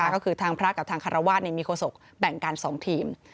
ก็คือทางพระกับทางคารวาสมีโฆษกแบ่งกัน๒ทีม